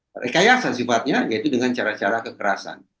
apapun pengakuan itu rekayasa sifatnya yaitu dengan cara cara kekerasan